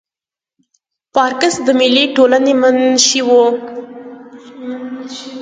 پارکس د ملي ټولنې منشي وه.